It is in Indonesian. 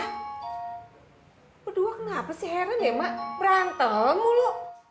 lu dua kenapa sih heran ya mak berantem mulu